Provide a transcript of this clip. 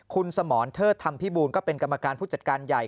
คุณสมรเทิดธรรมพิบูลก็เป็นกรรมการผู้จัดการใหญ่